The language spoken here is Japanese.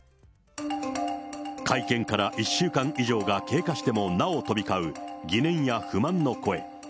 会見から１週間以上が経過してもなお飛び交う、疑念や不満の声。